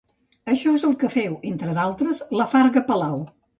Això és el que féu, entre d'altres, la farga Palau.